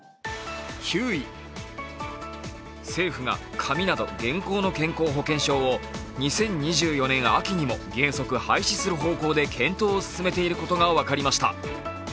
政府が紙など現行の健康保険証を２０２４年秋にも原則廃止する方向で検討を進めていることが分かりました。